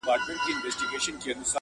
o واده د الله داد، پکښي غورځي مولا داد٫